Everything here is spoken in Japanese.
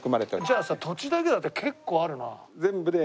じゃあさ土地だけだって結構あるな。